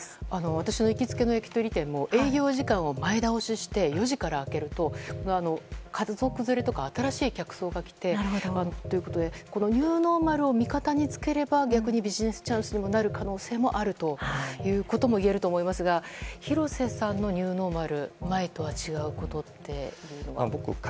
私の行きつけの焼き鳥店も営業時間を前倒しして４時から開けると家族連れとか新しい客層が来てということでこのニューノーマルを味方につければ逆にビジネスチャンスになる可能性もあるということもいえると思いますが廣瀬さんのニューノーマルライン前とは違うことってどういうことですか？